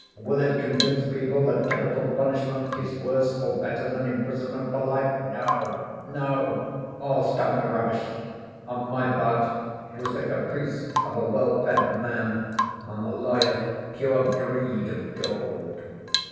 Will it convince people that capital punishment is worse or better than imprisonment for life? No, no! all stuff and rubbish. On my part, it was the caprice of a well fed man; on the lawyer's pure greed of gold."